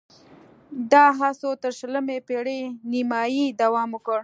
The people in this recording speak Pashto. دا هڅو تر شلمې پېړۍ نیمايي دوام وکړ